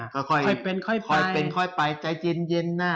ค่อยเป็นค่อยไปใจเย็นนะ